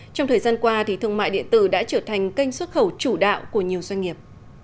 trong thời gian qua thương mại điện tử đã trở thành kênh xuất khẩu chủ đạo của nhiều doanh nghiệp